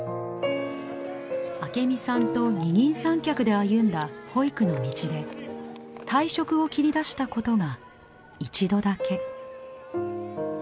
明美さんと二人三脚で歩んだ保育の道で退職を切り出したことが一度だけ。